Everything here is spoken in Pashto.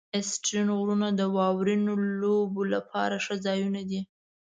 آسټرین غرونه د واورینو لوبو لپاره ښه ځایونه دي.